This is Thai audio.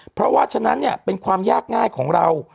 เพราะว่าฉะนั้นเนี่ยเป็นความยากง่ายของเรา